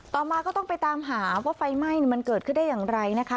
ต่อมาก็ต้องไปตามหาว่าไฟไหม้มันเกิดขึ้นได้อย่างไรนะคะ